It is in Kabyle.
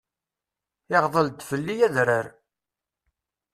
Iɣḍel-d fell-i adrar.